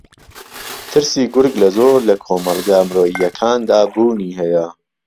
ترسی گورگ لە زۆر لە کۆمەڵگا مرۆیییەکاندا بوونی ھەیە